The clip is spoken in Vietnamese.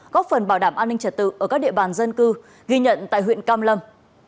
góp phần bảo đảm an ninh trật tự ở các địa bàn dân cư ghi nhận tại huyện cam lâm